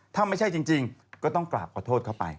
ถ้าไม่ใช่จริงก็ต้องกราบขอโทษเข้าไป